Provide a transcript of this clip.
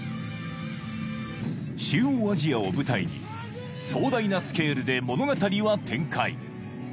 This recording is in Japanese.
中央アジアを舞台に壮大なスケールで物語は展開